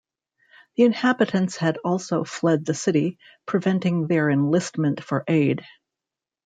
The inhabitants had also fled the city, preventing their enlistment for aid.